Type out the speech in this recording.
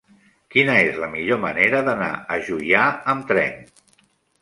Quina és la millor manera d'anar a Juià amb tren?